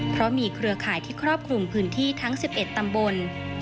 เพราะมีเครือข่ายที่ครอบคลุมพื้นที่ทั้ง๑๑ตำบล